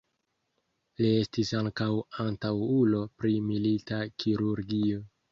Li estis ankaŭ antaŭulo pri milita kirurgio.